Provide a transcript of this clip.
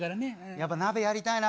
やっぱ鍋やりたいな。